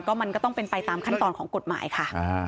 มันก็ต้องเป็นไปตามขั้นตอนของกฎหมายค่ะ